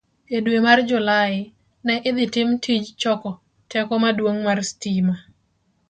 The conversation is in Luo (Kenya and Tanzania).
E dwe mar Julai, ne idhi tim tij choko teko maduong' mar stima.